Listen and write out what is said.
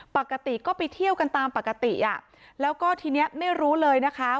ปกติก็ไปเที่ยวกันตามปกติอ่ะแล้วก็ทีนี้ไม่รู้เลยนะคะ